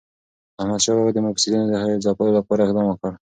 احمدشاه بابا د مفسدینو د ځپلو لپاره اقدام وکړ.